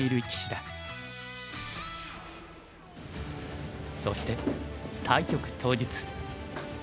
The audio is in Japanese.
現在そして対局当日。